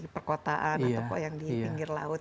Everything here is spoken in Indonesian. di perkotaan atau yang di pinggir laut